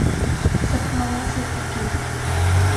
สภาวะเศรษฐกิจ